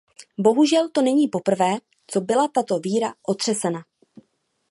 Bohužel to není poprvé, co byla tato víra otřesena.